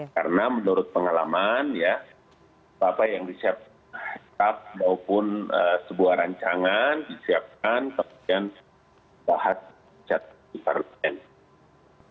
karena menurut pengalaman ya apa apa yang disiapkan ataupun sebuah rancangan disiapkan kemudian bahas secara secara luar biasa